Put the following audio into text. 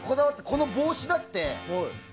この帽子だって。